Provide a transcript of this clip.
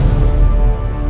tidak ada apa apa